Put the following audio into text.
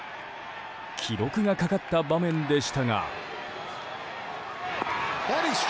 記録がかかった場面でしたが。